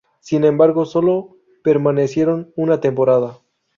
Sin embargo, solo permanecieron una temporada.